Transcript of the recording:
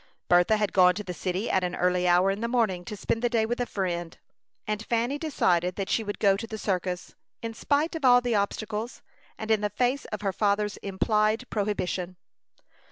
Bertha had gone to the city at an early hour in the morning to spend the day with a friend, and Fanny decided that she would go to the circus, in spite of all obstacles, and in the face of her father's implied prohibition.